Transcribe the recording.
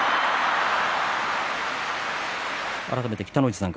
改めて北の富士さん